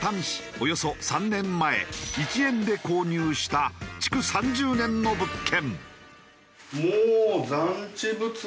およそ３年前１円で購入した築３０年の物件。